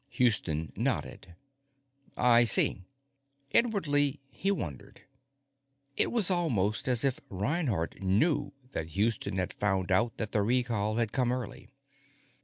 Houston nodded. "I see." Inwardly, he wondered. It was almost as if Reinhardt knew that Houston had found out that the recall had come early.